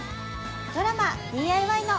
ドラマ「ＤＩＹ‼」の。